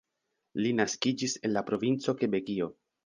Li naskiĝis en la provinco Kebekio.